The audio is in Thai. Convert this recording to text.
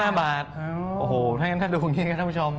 ถ้าดูอย่างนี้ก็ท่านผู้ชม